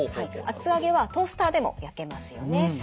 厚揚げはトースターでも焼けますよね。